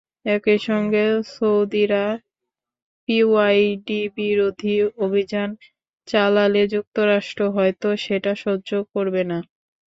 একই সঙ্গে সৌদিরা পিওয়াইডিবিরোধী অভিযান চালালে যুক্তরাষ্ট্র হয়তো সেটা সহ্য করবে না।